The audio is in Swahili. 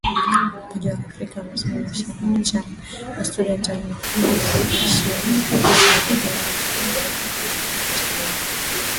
Umoja wa Afrika umesimamisha uanachama wa Sudan tangu mkuu wa jeshi Abdel Fattah kuongoza mapinduzi ya Oktoba mwaka elfu mbili na ishirini na moja